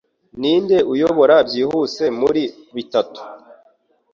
Ninde uyobora byihuse muri bitatu?